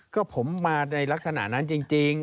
ก็ผมมาในลักษณะนั้นจริง